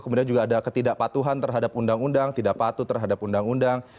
kemudian juga ada ketidakpatuhan terhadap undang undang tidak patuh terhadap undang undang